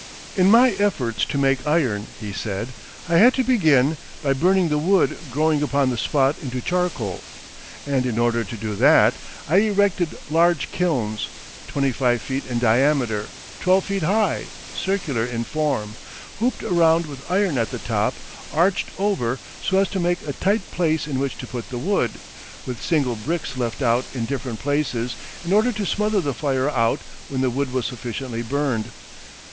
"In my efforts to make iron," he said, "I had to begin by burning the wood growing upon the spot into charcoal, and in order to do that, I erected large kilns, twenty five feet in diameter, twelve feet high, circular in form, hooped around with iron at the top, arched over so as to make a tight place in which to put the wood, with single bricks left out in different places in order to smother the fire out when the wood was sufficiently burned.